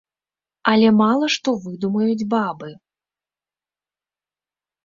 Але мала што выдумаюць бабы.